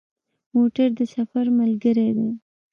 موټر د سفر ملګری دی.